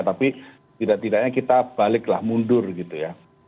tapi tidak tidaknya kita baliklah mundur gitu ya